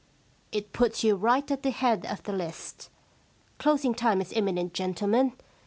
* It puts you right at the head of the list. Closing time is imminent, gentlemen.